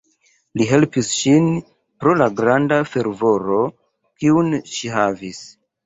Li helpis ŝin pro la granda fervoro kiun ŝi havis.